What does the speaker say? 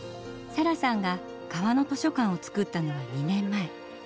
サラさんが川の図書館を作ったのは２年前。